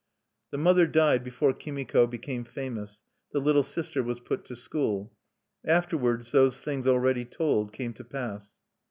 The mother died before Kimiko became famous; the little sister was put to school. Afterwards those things already told came to pass.